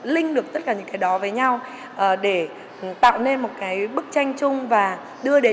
linh được tất cả những cái đó với nhau để tạo nên một cái bức tranh chung và đưa đến